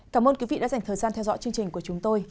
cảm ơn quý vị đã dành thời gian theo dõi chương trình của chúng tôi